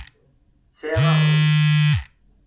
Sɛiɣ aɣrum.